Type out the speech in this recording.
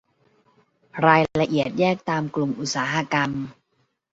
รายละเอียดแยกตามกลุ่มอุตสาหกรรม